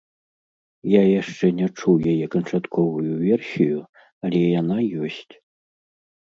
Я яшчэ не чуў яе канчатковую версію, але яна ёсць!